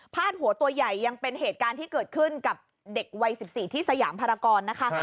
หัวตัวใหญ่ยังเป็นเหตุการณ์ที่เกิดขึ้นกับเด็กวัย๑๔ที่สยามภารกรนะคะ